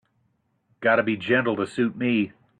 Gotta be gentle to suit me.